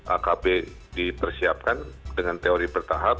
akb dipersiapkan dengan teori bertahap